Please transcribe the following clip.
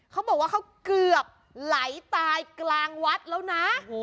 เขาบอกว่าเขาเกือบไหลตายกลางวัดแล้วนะ